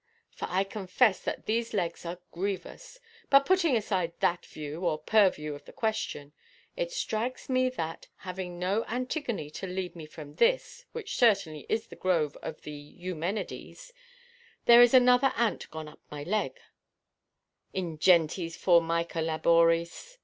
for I confess that these legs are grievous; but putting aside that view or purview of the question, it strikes me that, having no Antigone to lead me from this, which certainly is the grove of the Eumenides—there is another ant gone up my leg—ʼingentis formica laboris.